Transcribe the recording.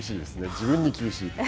自分に厳しい。